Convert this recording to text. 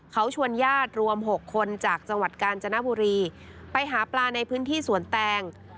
เขาชวนญาติรวม๖คนจากจังหวัดกาญจนบุรีไปหาปลาในพื้นที่สวนแตง